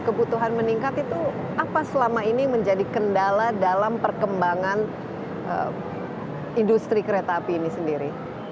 kebutuhan meningkat itu apa selama ini menjadi kendala dalam perkembangan industri kereta api ini sendiri